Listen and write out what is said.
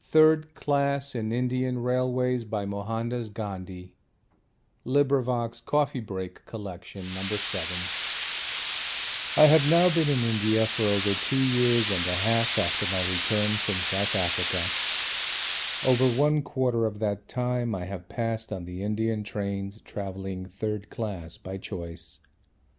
THIRD CLASS IN INDIAN RAILWAYS BY M. K. GANDHI GANDHI PUBLICATIONS LEAGUE BHADARKALI LAHORE THIRD CLASS IN INDIAN RAILWAYS I have now been in India for over two years and a half after my return from South Africa. Over one quarter of that time I have passed on the Indian trains travelling third class by choice.